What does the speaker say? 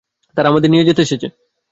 তারা আমাদের নিয়ে যেতে এসেছে।